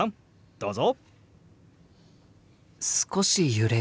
どうぞ。